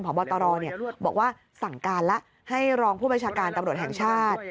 พบตรบอกว่าสั่งการแล้วให้รองผู้บัญชาการตำรวจแห่งชาติ